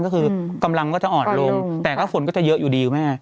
ก็คือกำลังก็จะอ่อนลงแต่ก็ฝนก็จะเยอะอยู่ดีคุณแม่